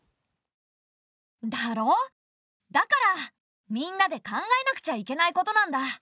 だろ？だからみんなで考えなくちゃいけないことなんだ。